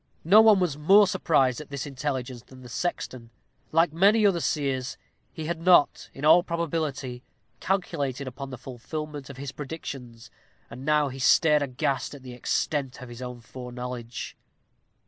No one was more surprised at this intelligence than the sexton. Like many other seers, he had not, in all probability, calculated upon the fulfilment of his predictions, and he now stared aghast at the extent of his own foreknowledge.